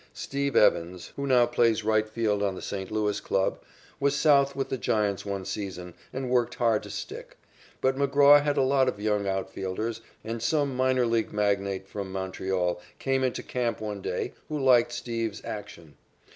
"Steve Evans", who now plays right field on the St. Louis club, was South with the Giants one season and worked hard to stick. But McGraw had a lot of young out fielders, and some minor league magnate from Montreal came into camp one day who liked "Steve's" action.